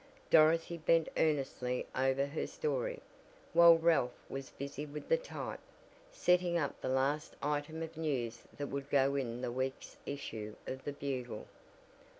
Dorothy bent earnestly over her story, while Ralph was busy with the type, setting up the last item of news that would go in the week's issue of the Bugle.